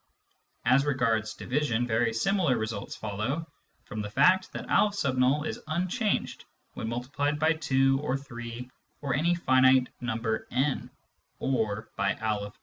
As regards division, very similar results follow from the fact that N is unchanged when multiplied by 2 or 3 or any finite number n or by N .